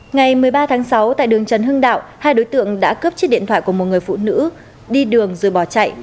ngày một mươi ba tháng sáu tại đường trần hưng đạo hai đối tượng đã cướp chiếc điện thoại của một người phụ nữ đi đường rồi bỏ chạy